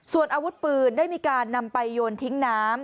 ส่วนอาวุธปืนได้มีการนำไปโยนทิ้งน้ำ